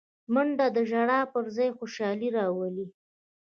منډه د ژړا پر ځای خوشالي راولي